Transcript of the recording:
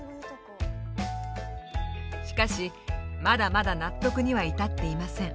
しかしまだまだ納得には至っていません。